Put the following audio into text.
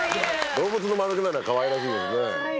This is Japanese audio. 動物のマヌケなやつはかわいらしいですね。